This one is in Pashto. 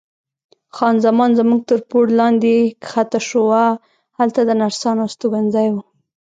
خان زمان زموږ تر پوړ لاندې کښته شوه، هلته د نرسانو استوګنځای و.